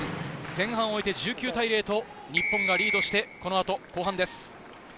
前半を終えて１９対０と日本がリードして、このあと後半です。